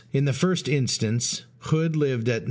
In the first instance Hood lived at No.